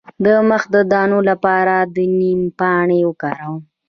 د مخ د دانو لپاره د نیم پاڼې وکاروئ